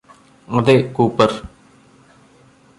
അതെ കൂപര്